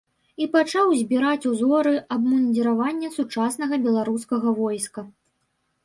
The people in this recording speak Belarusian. І пачаў збіраць узоры абмундзіравання сучаснага беларускага войска.